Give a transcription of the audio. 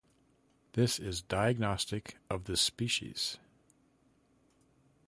This is diagnostic of this species.